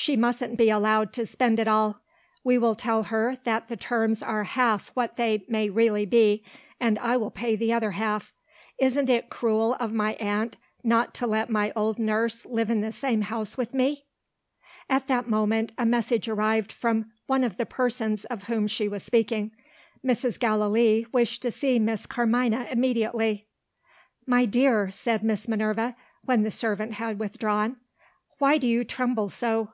She mustn't be allowed to spend it all. We will tell her that the terms are half what they may really be and I will pay the other half. Isn't it cruel of my aunt not to let my old nurse live in the same house with me?" At that moment, a message arrived from one of the persons of whom she was speaking. Mrs. Gallilee wished to see Miss Carmina immediately. "My dear," said Miss Minerva, when the servant had withdrawn, "why do you tremble so?"